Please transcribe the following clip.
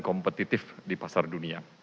kompetitif di pasar dunia